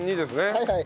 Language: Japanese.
はいはい。